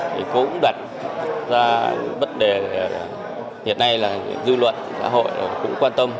thì cũng đặt ra vấn đề hiện nay là dư luận xã hội cũng quan tâm